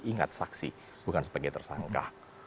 ingat saksi bukan sebagai tersangka